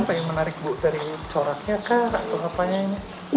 pengen menarik bu dari coraknya kah atau apanya ini